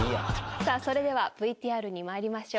さあそれではＶＴＲに参りましょう。